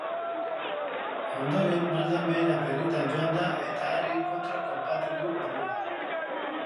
Ondoren, maldan behera pirritan joan da eta harrien kontra kolpatu du burua.